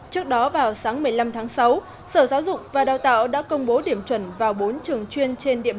trước đó vào sáng một mươi năm tháng sáu sở giáo dục và đào tạo đã công bố điểm chuẩn vào bốn trường chuyên